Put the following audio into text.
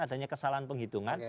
adanya kesalahan penghitungan